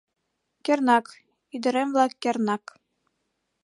Кернак, ӱдырем-влак, кернак!..